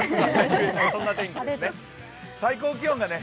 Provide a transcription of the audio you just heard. そんな天気ですね。